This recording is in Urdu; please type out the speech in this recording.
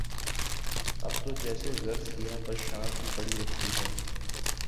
اب تو جیسے عرض کیا بس شام کی پڑی رہتی ہے